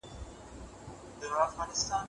که سردرد زیات شي، ډاکټر سره مشوره وکړئ.